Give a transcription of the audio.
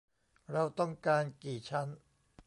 เราต้องการกี่ชั้น ?